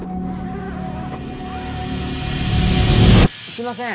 すいません